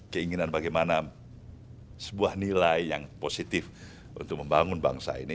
keinginan bagaimana sebuah nilai yang positif untuk membangun bangsa ini